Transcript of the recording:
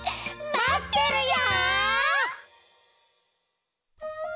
まってるよ！